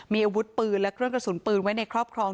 มีอาวุธปืนและเครื่องกระสุนปืนไว้ในครอบครอง